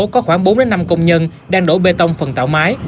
có khoảng bốn năm công nhân đang đổ bê tông phần tạo mái